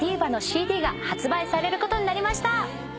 ＬＡＤＩＶＡのＣＤが発売されることになりました。